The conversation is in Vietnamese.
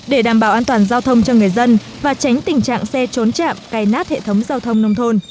để đảm bảo an toàn giao thông cho người dân và tránh tình trạng xe trốn chạm cày nát hệ thống giao thông nông thôn